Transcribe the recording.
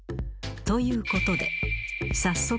［ということで早速］